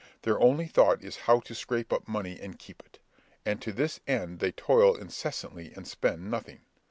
Their only thought is how to scrape up money and keep it; and to this end they toil incessantly and spend nothing.